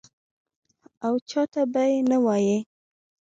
او چا ته به یې نه وایې.